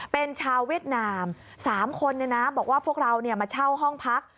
เป็นชาวเวียดนาม๓คนบอกว่าพวกเรามาเช่าห้องพัก